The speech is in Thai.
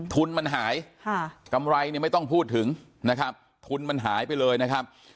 ทุนมันหายกำไรเนี่ยไม่ต้องพูดถึงนะครับทุนมันหายไปเลยนะครับ